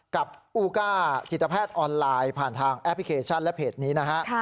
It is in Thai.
กับอูก้าจิตแพทย์ออนไลน์ผ่านทางแอปพลิเคชันและเพจนี้นะฮะ